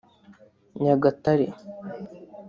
Nyagatare